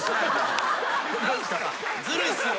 ずるいっすよ。